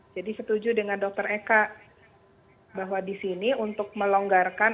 jadi setuju dengan dokter eka bahwa disini untuk melonggarkan